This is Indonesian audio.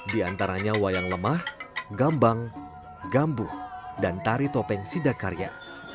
diantaranya wayang lemah gambang gambuh dan tari topeng sidakarya